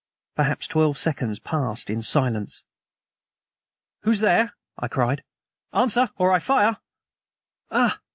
Perhaps twelve seconds passed in silence. "Who's there?" I cried. "Answer, or I fire!" "Ah!